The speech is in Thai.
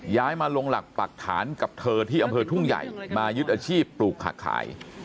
ย้ายมาลงหลักปักฐานกับเธอที่อำเภอทุ่งใหญ่มายึดอาชีพปลูกผักขาย